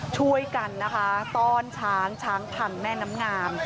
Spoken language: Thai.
ช่วยกันนะคะต้อนช้างช้างพังแม่น้ำงาม